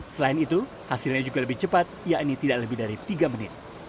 selain itu hasilnya juga lebih cepat yakni tidak lebih dari tiga menit